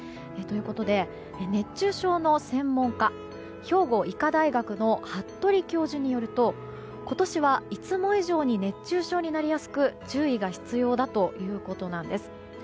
熱中症の専門家、兵庫医科大学の服部教授によると今年はいつも以上に熱中症になりやすく注意が必要だということです。